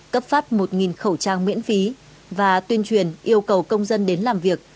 cấp phát một khẩu trang miễn phí và tuyên truyền yêu cầu công dân đến làm việc